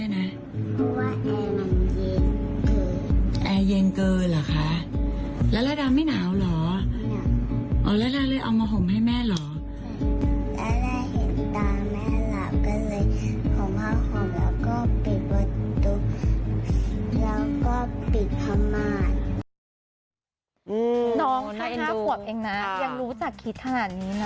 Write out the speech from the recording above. น้องสาถ้างบตัวเองนะยังรู้จักที่คิดขนาดนี้นะ